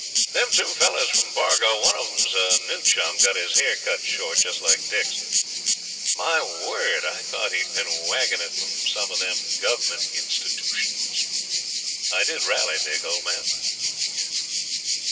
'Them two fellers from Bargo; one of 'em's a new chum got his hair cut short, just like Dick's. My word, I thought he'd been waggin' it from some o' them Gov'ment institoosh'ns. I did raly, Dick, old man.'